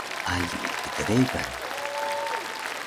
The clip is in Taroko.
Ali gdregan